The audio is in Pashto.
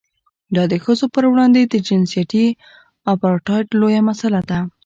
دا د ښځو پر وړاندې د جنسیتي اپارټایډ لویه مسله ده.